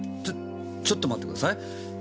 ちょっちょっと待ってください。